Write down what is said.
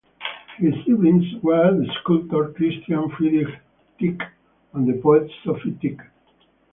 His siblings were the sculptor Christian Friedrich Tieck and the poet Sophie Tieck.